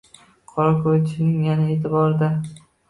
Qorako‘lchilik yana e’tiborda